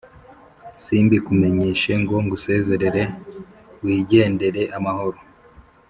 simbikumenyeshe ngo ngusezerere wigendere amahoro